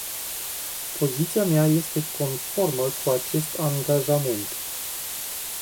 Poziția mea este conformă cu acest angajament.